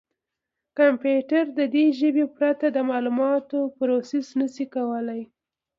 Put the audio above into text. کمپیوټر د دې ژبې پرته د معلوماتو پروسس نه شي کولای.